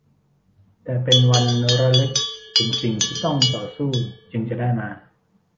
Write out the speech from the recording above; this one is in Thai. แต่เป็นวันระลึกถึงสิ่งที่ต้องต่อสู้จึงจะได้มา